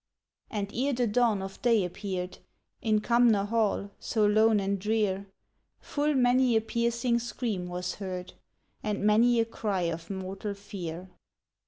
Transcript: And ere the dawn of day appeared, In Cumnor Hall, so lone and drear, Full many a piercing scream was heard, And many a cry of mortal fear.